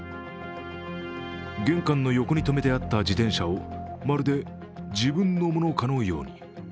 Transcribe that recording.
玄関の横に止めてあった自転車を、まるで自分のものかのように。